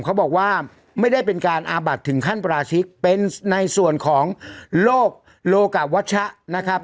เขาบอกว่าไม่ได้เป็นการอาบัดถึงขั้นปราชิกเป็นในส่วนของโลกโลกะวัชชะนะครับ